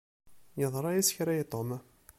Yeḍṛa-yas kra i Tom.